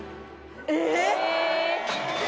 えっ？